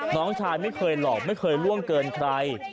น้องชายไม่เคยหลอกไม่เคยล่วงเกินใคร